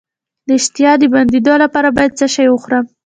د اشتها د بندیدو لپاره باید څه شی وخورم؟